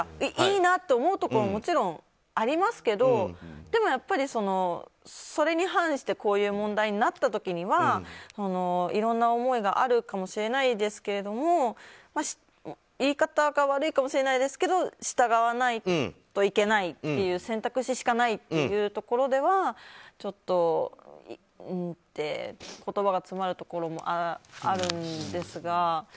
いいなって思うところももちろんありますけどでもやっぱりそれに反してこういう問題になった時にはいろんな思いがあるかもしれないですけれども言い方が悪いかもしれないですけど従わないといけないっていう選択肢しかないというところではちょっと、言葉が詰まるところもあるんですが。